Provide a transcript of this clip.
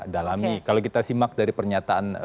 dalami kalau kita simak dari pernyataan